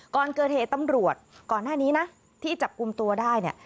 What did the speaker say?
ก่อนเกิดเหตุตำรวจก่อนหน้านี้นะที่จับกลุ่มตัวได้เนี่ย